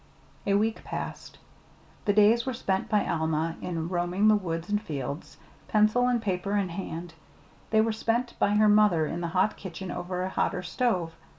A week passed. The days were spent by Alma in roaming the woods and fields, pencil and paper in hand; they were spent by her mother in the hot kitchen over a hotter stove.